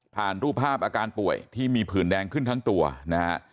รูปภาพอาการป่วยที่มีผื่นแดงขึ้นทั้งตัวนะฮะ